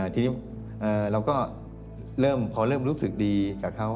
ทีนี้เราก็เริ่มพอเริ่มรู้สึกดีกับเขา